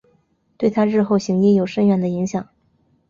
对她日后行医有深远的影响。